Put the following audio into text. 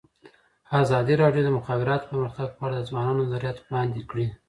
ازادي راډیو د د مخابراتو پرمختګ په اړه د ځوانانو نظریات وړاندې کړي.